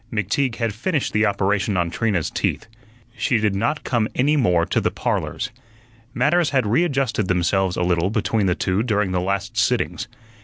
McTeague had finished the operation on Trina's teeth. She did not come any more to the "Parlors." Matters had readjusted themselves a little between the two during the last sittings.